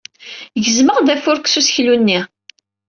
Gezmeɣ-d afurk s useklu-nni.